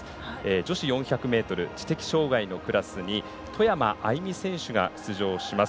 女子４００ｍ知的障がいのクラスに外山愛美選手が出場します。